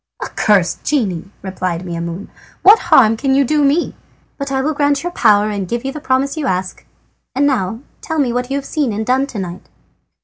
"Accursed genie!" replied Maimoune, "what harm can you do me? But I will grant your power and give the promise you ask. And now tell me what you have seen and done to night."